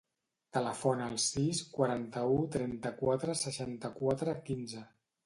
Telefona al sis, quaranta-u, trenta-quatre, seixanta-quatre, quinze.